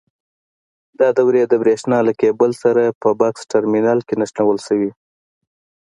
دا دورې د برېښنا له کېبل سره په بکس ټرمینل کې نښلول شوي.